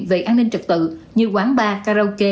về an ninh trực tự như quán bar karaoke